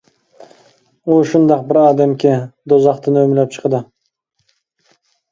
ئۇ شۇنداق بىر ئادەمكى، دوزاختىن ئۆمىلەپ چىقىدۇ.